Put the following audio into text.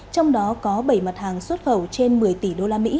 trong đó có bảy mặt hàng xuất khẩu trên một mươi tỷ usd